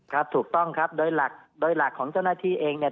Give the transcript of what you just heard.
ถูกต้องครับโดยหลักโดยหลักของเจ้าหน้าที่เองเนี่ย